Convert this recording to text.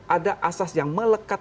ada asas yang melekat